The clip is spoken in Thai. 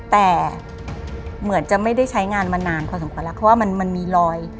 แต่เหมือนจะไม่ได้ใช้งานมานานพอสมควรแล้วเพราะว่ามันมีรอย